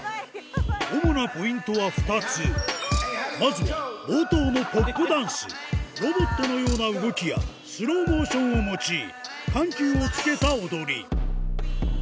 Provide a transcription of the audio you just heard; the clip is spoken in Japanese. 主なポイントは２つまずは冒頭のポップダンスロボットのような動きやスローモーションを用い緩急をつけた踊り